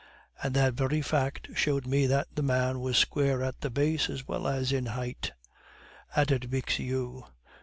And that very fact showed me that the man was square at the base as well as in height," added Bixiou.